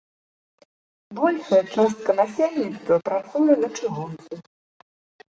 Большая частка насельніцтва працуе на чыгунцы.